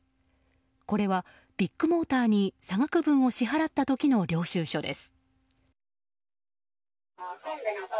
これはビッグモーターに差額分を支払った時の領収書です。